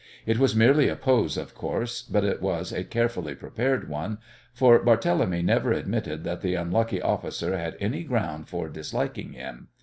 It was merely a pose, of course, but it was a carefully prepared one, for Barthélemy never admitted that the unlucky officer had any ground for disliking him!